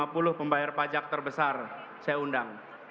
lima puluh pembayar pajak terbesar saya undang